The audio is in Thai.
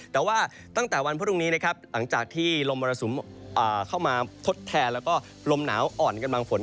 แต่ว่าตั้งแต่วันพรุ่งนี้นะครับหลังจากที่ลมมรสุมเข้ามาทดแทนแล้วก็ลมหนาวอ่อนกำลังฝน